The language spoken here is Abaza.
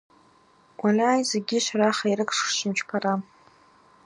Уальай, закӏгьи, швара хайыркӏ шшвымчпара.